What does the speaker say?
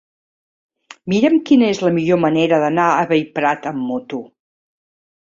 Mira'm quina és la millor manera d'anar a Bellprat amb moto.